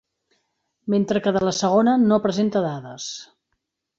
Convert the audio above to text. Mentre que de la segona no presenta dades.